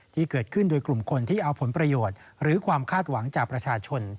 ที่เกิดขึ้นโดยกลุ่มคนที่เอาผลประโยชน์หรือความคาดหวังจากประชาชน